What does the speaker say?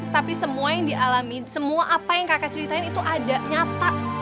tapi semua yang dialami semua apa yang kakak ceritain itu ada nyata